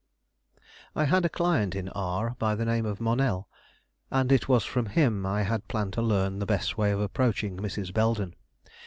I had a client in R by the name of Monell; and it was from him I had planned to learn the best way of approaching Mrs. Belden.